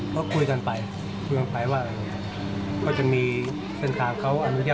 เมื่อถึงวันนัดหมาย